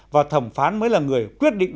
và thẩm phán mới là người quyết định